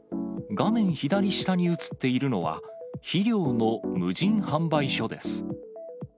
画面左下に写っているのは、肥料の無人販売所です。